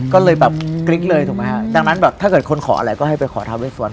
ก็เลยแบบกลิ้งเลยถูกไหมฮะดังนั้นแบบถ้าเกิดคนขออะไรก็ให้ไปขอทาเวสวรร